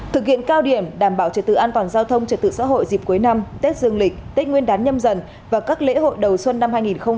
thực hiện cao điểm đảm bảo trật tự an toàn giao thông trật tự xã hội dịp cuối năm tết dương lịch tết nguyên đán nhâm dần và các lễ hội đầu xuân năm hai nghìn hai mươi